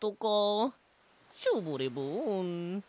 ショボレボン。